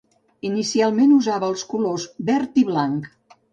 Inicialment usava els colors verd i blanc.